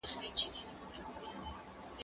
زه ونې ته اوبه ورکړې دي،